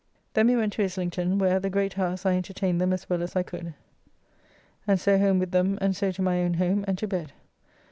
Then we went to Islington, where at the great house I entertained them as well as I could, and so home with them, and so to my own home and to bed.